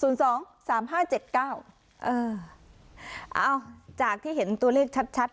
ศูนย์สองสามห้าเจ็ดเก้าเออเอาจากที่เห็นตัวเลขชัดชัด